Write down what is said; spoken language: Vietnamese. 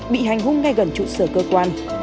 bị hành hung ngay gần trụ sở cơ quan